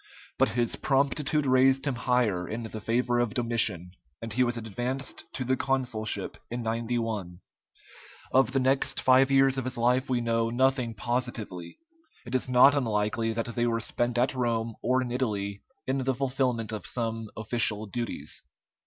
But his promptitude raised him higher in the favor of Domitian, and he was advanced to the consulship in 91. Of the next five years of his life we know nothing positively. It is not unlikely that they were spent at Rome or in Italy in the fulfilment of some official duties.